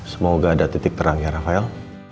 semoga ada titik terang ya rafael